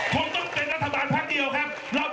คงต้องเป็นรัฐบาลพักเดียวครับ